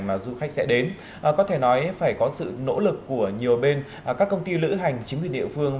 mà du khách sẽ đến có thể nói phải có sự nỗ lực của nhiều bên các công ty lữ hành chính quyền địa phương